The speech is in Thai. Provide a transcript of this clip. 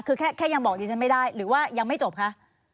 มันแต่ยังบอกเรียกจริงไม่ได้หรือใช่ยังไม่จบค่ะ